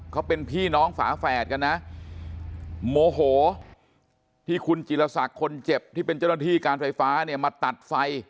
เขาเป็นพี่น้องฝาแฝดกันนะโมโหที่คุณจิลศักดิ์คนเจ็บที่เป็นเจ้าหน้าที่การไฟฟ้าเนี่ยมาตัดไฟ